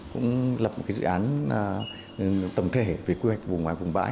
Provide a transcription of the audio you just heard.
cũng lập một dự án tầm thể về quy hoạch vùng ngoài vùng bãi